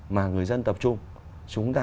mà người dân tập trung chúng ta